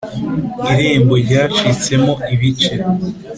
irembo ryacitsemo ibice,